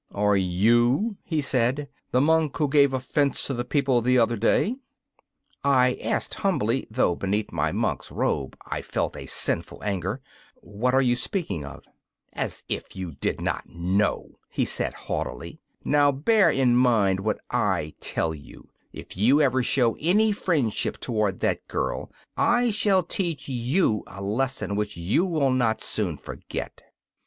'Are you,' he said, 'the monk who gave offence to the people the other day?' I asked humbly though beneath my monk's robe I felt a sinful anger: 'What are you speaking of?' 'As if you did not know!' he said, haughtily. 'Now bear in mind what I tell you; if you ever show any friendship toward that girl I shall teach you a lesson which you will not soon forget.